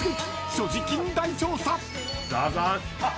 所持金大調査。